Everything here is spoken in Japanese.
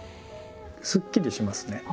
すっきりしますね。